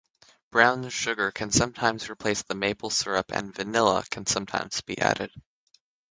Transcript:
Brown sugar can sometimes replace the maple syrup and vanilla can sometimes be added.